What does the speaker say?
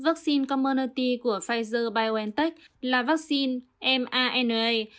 vaccine community của pfizer biontech là vaccine mrna